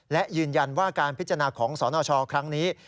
และยืนยันว่าการพิจารณาของสนชครั้งนี้